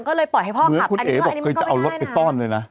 ก็เลยปล่อยให้พ่อกลับอันนี้มันก็ไม่ง่ายนะ